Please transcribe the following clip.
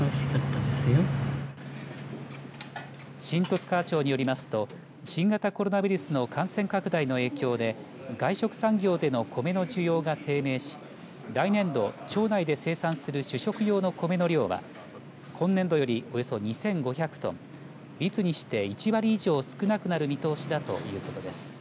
新十津川町によりますと新型コロナウイルスの感染拡大の影響で外食産業でのコメの需要が低迷し来年度、町内で生産する主食用のコメの量は今年度よりおよそ２５００トン率にして１割以上少なくなる見通しだということです。